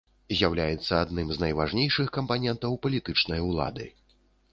З'яўляецца адным з найважнейшых кампанентаў палітычнай улады.